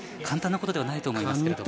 簡単なことではないと思いますが。